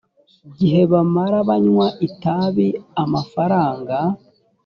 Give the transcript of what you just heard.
gihe bamara banywa itabi amafaranga